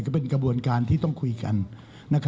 ก็เป็นกระบวนการที่ต้องคุยกัน